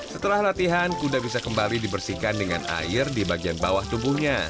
setelah latihan kuda bisa kembali dibersihkan dengan air di bagian bawah tubuhnya